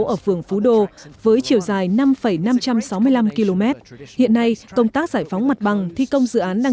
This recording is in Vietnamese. ở phường phú đô với chiều dài năm năm trăm sáu mươi năm km hiện nay công tác giải phóng mặt bằng thi công dự án đang